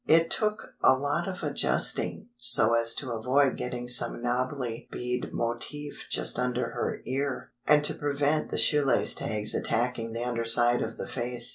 It took a lot of adjusting so as to avoid getting some knobbly bead motif just under her ear, and to prevent the shoe lace tags attacking the under side of the face.